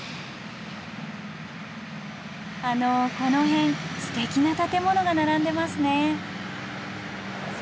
あのこの辺すてきな建物が並んでますね。